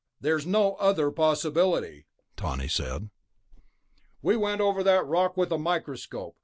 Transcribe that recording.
There's no other possibility," Tawney said. "We went over that rock with a microscope.